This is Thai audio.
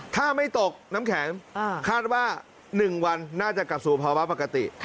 ถ้าไม่ตกน้ำแข็งคาดว่า๑วันน่าจะกลับสู่ภาวะปกติ